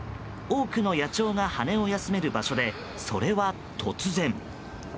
多くの野鳥が羽を休める場所でそれは突然。